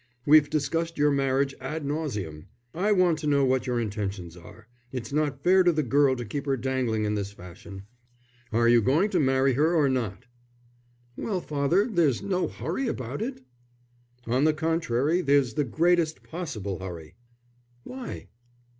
We've discussed your marriage ad nauseam. I want to know what your intentions are. It's not fair to the girl to keep her dangling in this fashion. Are you going to marry her or not?" "Well, father, there's no hurry about it?" "On the contrary there's the greatest possible hurry." "Why?"